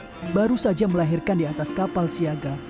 tiga puluh delapan tahun baru saja melahirkan di atas kapal siaga